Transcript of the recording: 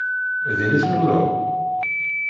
Din i tluleḍ?